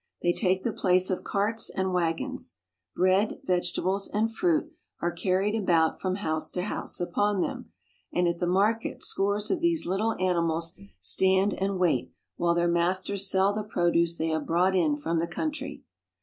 They take the place of carts and wagons. Bread, vege tables, and fruit are carried about from house to house upon them, and at the market scores of these little ani mals stand and wait while their masters sell the produce they have brought in from the country.